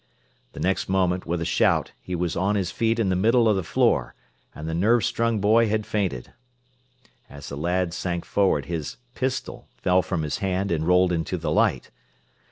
The next moment, with a shout, he was on his feet in the middle of the floor, and the nerve strung boy had fainted. As the lad sank forward his "pistol" fell from his hand and rolled into the light.